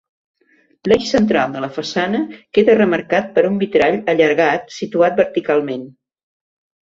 L'eix central de la façana queda remarcat per un vitrall allargat situat verticalment.